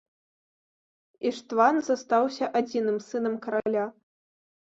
Іштван застаўся адзіным сынам караля.